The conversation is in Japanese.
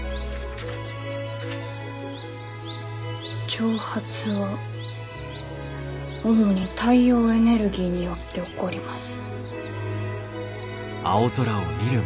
「蒸発は主に太陽エネルギーによって起こります」。